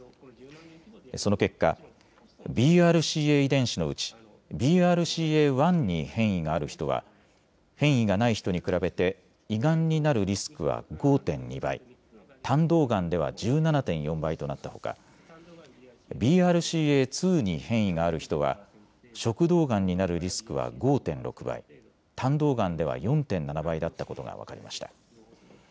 その結果、ＢＲＣＡ遺伝子のうちＢＲＣＡ１に変異がある人は変異がない人に比べて胃がんになるリスクは５．２倍、胆道がんでは１７．４倍となったほかＢＲＣＡ２に変異がある人は食道がんになるリスクは５．６倍、胆道がんでは４．７倍だったことが分かりました。